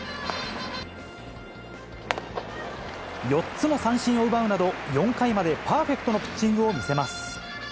４つの三振を奪うなど、４回までパーフェクトのピッチングを見せます。